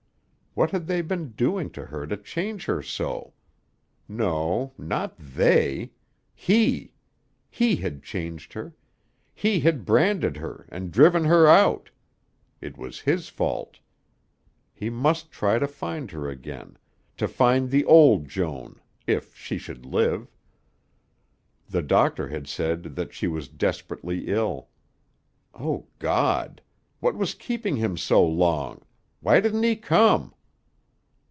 What had they been doing to her to change her so? No, not they. He. He had changed her. He had branded her and driven her out. It was his fault. He must try to find her again, to find the old Joan if she should live. The doctor had said that she was desperately ill. O God! What was keeping him so long? Why didn't he come?